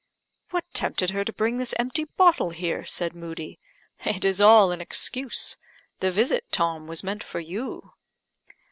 "What tempted her to bring this empty bottle here?" said Moodie. "It is all an excuse; the visit, Tom, was meant for you."